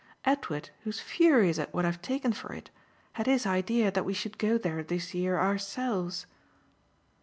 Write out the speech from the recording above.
Edward, who's furious at what I've taken for it, had his idea that we should go there this year ourselves."